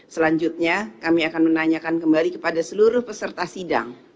selanjutnya kami akan menanyakan kembali kepada seluruh peserta sidang